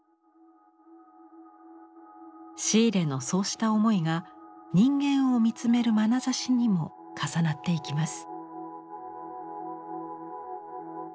シーレのそうした思いが人間を見つめるまなざしにも重なっていきます。